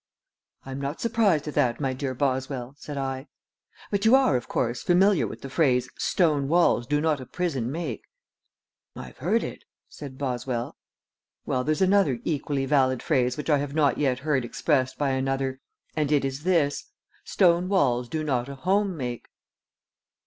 "I'm not surprised at that, my dear Boswell," said I. "But you are, of course, familiar with the phrase 'Stone walls do not a prison make?'" "I've heard it," said Boswell. "Well, there's another equally valid phrase which I have not yet heard expressed by another, and it is this: 'Stone walls do not a home make.'"